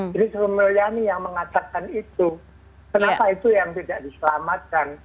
jadi itu yang mengatakan itu kenapa itu yang tidak diselamatkan